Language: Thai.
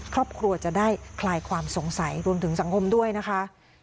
ครอบครัวจะได้คลายความสงสัยรวมถึงสังคมด้วยนะคะ